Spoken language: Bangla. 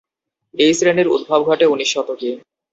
এই শ্রেণীর উদ্ভব ঘটে উনিশ শতকে।